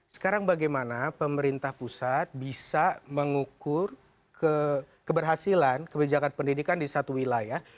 sekarang bagaimana pemerintah pusat bisa mengukur keberhasilan kebijakan pendidikan di satu wilayah